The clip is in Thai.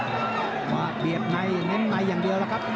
สสอนหน้านี้นี่อรัวมัติขู่ลุ่นน้องมุมแดงที่เห็นแล้วครับส